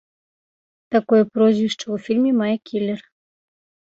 Такое прозвішча ў фільме мае кілер.